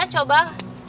kita akan membuat tanduk